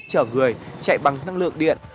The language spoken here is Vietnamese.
chở người chạy bằng năng lượng điện